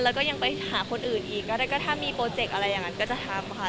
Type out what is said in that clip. แล้วก็ยังไปหาคนอื่นอีกก็ถ้ามีโปรเจกต์อะไรอย่างนั้นก็จะทำค่ะ